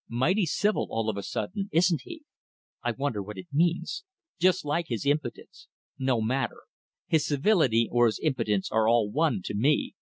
"Mighty civil all of a sudden, isn't he? I wonder what it means. Just like his impudence! No matter! His civility or his impudence are all one to me.